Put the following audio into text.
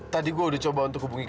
tadi gue udah coba untuk hubungi